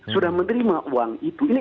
sudah menerima uang itu